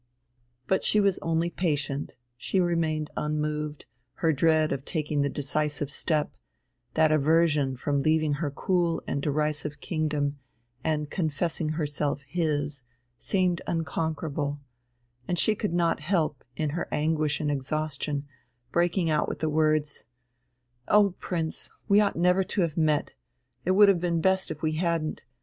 But she was only patient, she remained unmoved, her dread of taking the decisive step, that aversion from leaving her cool and derisive kingdom and confessing herself his, seemed unconquerable; and she could not help, in her anguish and exhaustion, breaking out with the words: "Oh, Prince, we ought never to have met it would have been best if we hadn't.